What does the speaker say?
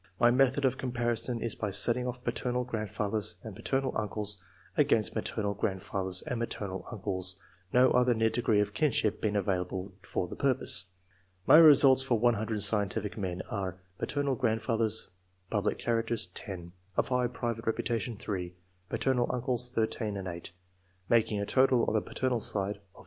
My method of comparison is by setting oflf paternal grandfathers and paternal uncles against maternal grandfathers and maternal uncles, no other near degree of kinship being available for the purpose. My results for 100 scientific men are :— ^paternal grandfathers, public characters, 10 ; of high private reputation, 3 ; paternal uncles, 1 3 and 8 ; making a total on the paternal side of 34.